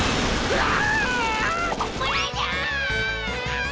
うわ！